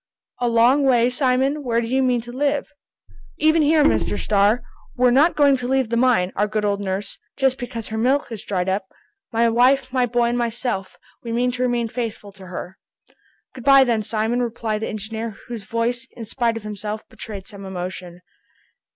"A long way, Simon? Where do you mean to live?" "Even here, Mr. Starr! We're not going to leave the mine, our good old nurse, just because her milk is dried up! My wife, my boy, and myself, we mean to remain faithful to her!" "Good by then, Simon," replied the engineer, whose voice, in spite of himself, betrayed some emotion.